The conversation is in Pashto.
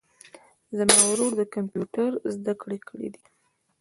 زما ورور د کمپیوټر زده کړي کړیدي